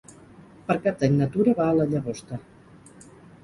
Per Cap d'Any na Tura va a la Llagosta.